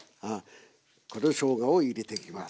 このしょうがを入れていきます。